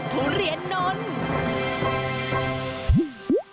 ทุเรียนนนท์